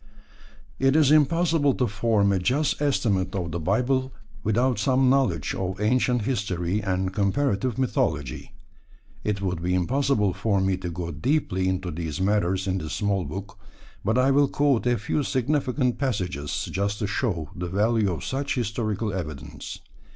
It is impossible to form a just estimate of the Bible without some knowledge of ancient history and comparative mythology. It would be impossible for me to go deeply into these matters in this small book, but I will quote a few significant passages just to show the value of such historical evidence.